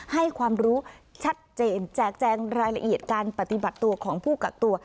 ให้ความรู้ชัดเจนแจกแจงรายละเอียดการปฏิบัติตัวของผู้กักตัว